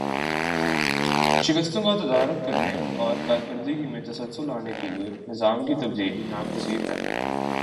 شکستوں کا تدارک کرنے اور کارکردگی میں تسلسل لانے کے لیے نظام کی تبدیلی ناگزیر ہے